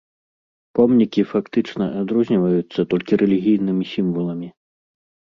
Помнікі фактычна адрозніваюцца толькі рэлігійнымі сімваламі.